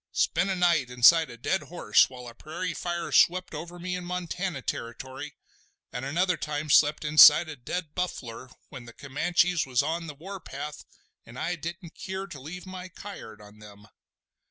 Spent a night inside a dead horse while a prairie fire swept over me in Montana Territory—an' another time slept inside a dead buffler when the Comanches was on the war path an' I didn't keer to leave my kyard on them.